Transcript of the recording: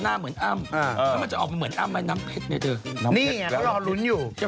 นี่เขาร้อนรุนอยู่